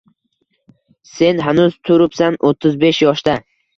Sen hanuz turibsan o’ttiz besh yoshda